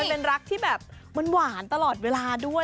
มันเป็นรักที่แบบมันหวานตลอดเวลาด้วย